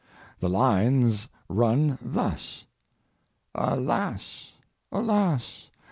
The lines run thus: "Alas! alas!